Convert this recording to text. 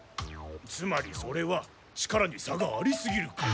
つまりそれは力に差がありすぎるから。